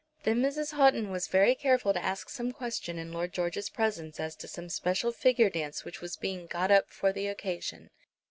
Then Mrs. Houghton was very careful to ask some question in Lord George's presence as to some special figure dance which was being got up for the occasion.